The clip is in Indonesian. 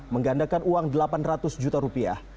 menggandakan uang delapan ratus juta rupiah